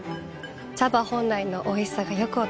茶葉本来のおいしさがよく分かります。